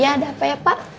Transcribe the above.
ya ada apa ya pak